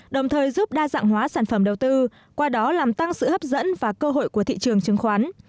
đồng thời giúp đa dạng hóa sản phẩm đầu tư qua đó làm tăng sự hấp dẫn và cơ hội của thị trường chứng khoán